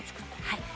はい。